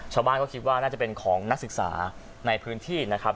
ชาวบ้านก็คิดว่าน่าจะเป็นของนักศึกษาในพื้นที่นะครับ